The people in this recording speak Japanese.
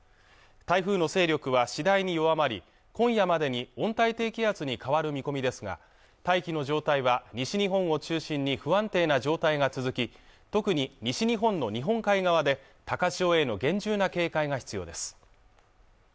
台風の勢力は次第に弱まり今夜までに温帯低気圧に変わる見込みですが大気の状態は西日本を中心に不安定な状態が続き特に西日本の日本海側で高潮への厳重な警戒が必要です